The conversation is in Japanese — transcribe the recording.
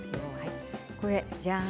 じゃん！